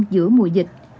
giữa mùa dịch